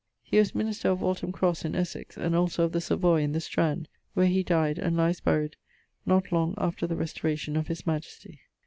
He was minister of Waltham Crosse in Essex, and also of the Savoy in the Strand, where he dyed (and lies buryed) not long after the restauracion of his majestie.